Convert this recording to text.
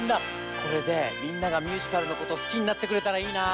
これでみんながミュージカルのことすきになってくれたらいいなあ。